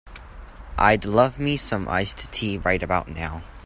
I'd love me some iced tea right about now.